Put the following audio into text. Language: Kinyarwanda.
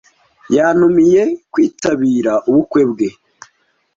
Yantumiye kwitabira ubukwe bwe.